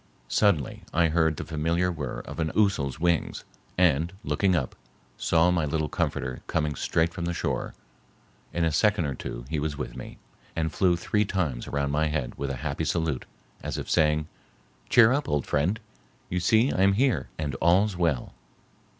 Suddenly, I heard the familiar whir of an ousel's wings, and, looking up, saw my little comforter coming straight from the shore. In a second or two he was with me, and flew three times around my head with a happy salute, as if saying, "Cheer up, old friend, you see I am here and all's well."